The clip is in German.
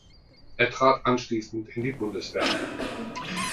Er trat anschließend in die Bundeswehr ein.